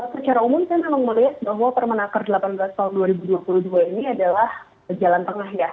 secara umum saya memang melihat bahwa permenaker delapan belas tahun dua ribu dua puluh dua ini adalah jalan tengah ya